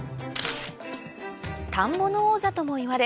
・田んぼの王者ともいわれ